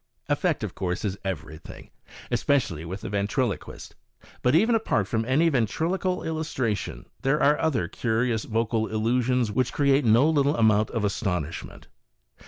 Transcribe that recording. Effect, of course, is everything, especially with the ventriloquist. But even apart from any ventriloquial illustration, there are other curious vocal illusions which create no little amount of astonish ment.